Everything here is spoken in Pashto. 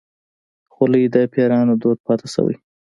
خولۍ د پيرانو دود پاتې شوی.